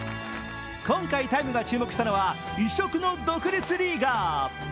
今回、「ＴＩＭＥ，」が注目したのは異色の独立リーガー。